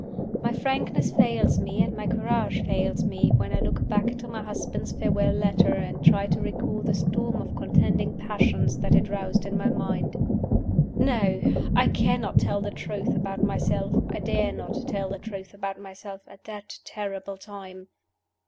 My frankness fails me and my courage fails me when I look back to my husband's farewell letter, and try to recall the storm of contending passions that it roused in my mind. No! I cannot tell the truth about myself I dare not tell the truth about myself at that terrible time.